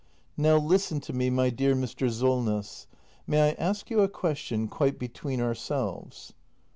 ] Now listen to me, my dear Mr. Solness. May I ask you a question, quite between ourselves